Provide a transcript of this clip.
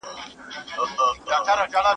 تر څو به موږ په دغه بې باورۍ کي ژوند کوو؟